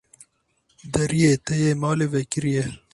Deriyê te yê malê vekirî ye.